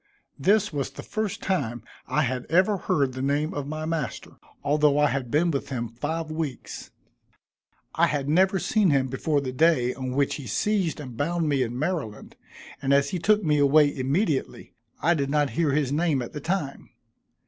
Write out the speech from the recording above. This was the first time I had ever heard the name of my master, although I had been with him five weeks. I had never seen him before the day on which he seized and bound me in Maryland, and as he took me away immediately, I did not hear his name at the time.